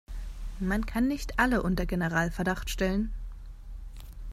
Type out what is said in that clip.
Man kann nicht alle unter Generalverdacht stellen.